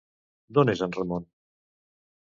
D'on és en Ramon?